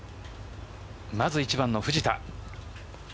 まず１番の藤田。